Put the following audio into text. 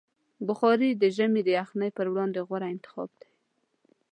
بخاري د ژمي د یخنۍ پر وړاندې غوره انتخاب دی.